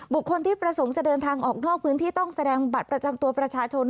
บุคคลที่ประสงค์จะเดินทางออกนอกพื้นที่ต้องแสดงบัตรประจำตัวประชาชน